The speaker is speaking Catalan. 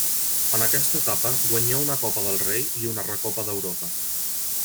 En aquesta etapa guanyà una Copa del Rei i una Recopa d'Europa.